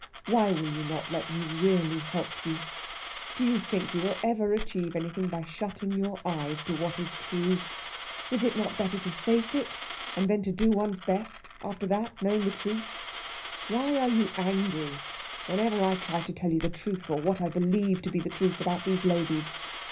Why will you not let me really help you? Do you think you will ever achieve anything by shutting your eyes to what is true? Is it not better to face it, and then to do one's best after that, knowing the truth? Why are you angry whenever I try to tell you the truth, or what I believe to be the truth about these ladies?